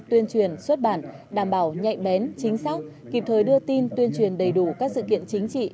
tuyên truyền xuất bản đảm bảo nhạy bén chính xác kịp thời đưa tin tuyên truyền đầy đủ các sự kiện chính trị